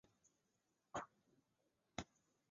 缅南杭子梢为豆科杭子梢属下的一个亚种。